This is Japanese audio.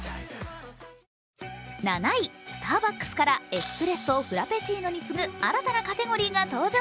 ７位、スターバックスからエスプレッソ、フラペチーノに次ぐ新たなカテゴリーが登場。